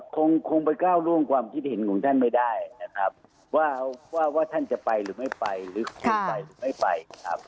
คงไปก้าวร่วงความคิดเห็นของท่านไม่ได้นะครับว่าว่าท่านจะไปหรือไม่ไปหรือคงไปหรือไม่ไปนะครับ